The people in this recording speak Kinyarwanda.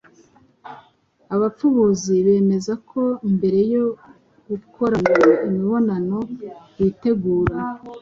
Abapfubuzi bemeza ko mbere yo gukorana imibonano witegura